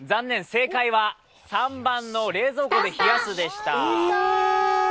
正解は３番の冷蔵庫で冷やすでした。